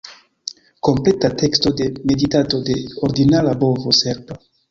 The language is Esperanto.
Kompleta teksto de "Meditado de ordinara bovo serba"